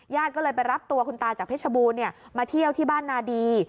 ก็เลยไปรับตัวคุณตาจากเพชรบูรณ์มาเที่ยวที่บ้านนาดี